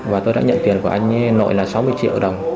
và tôi đã nhận tiền của anh nội là sáu mươi triệu đồng